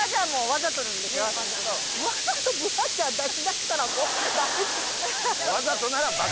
わざとブラジャー出しだしたらもう駄目でしょ。